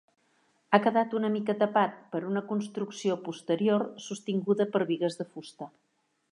Ha quedat una mica tapat per una construcció posterior sostinguda per bigues de fusta.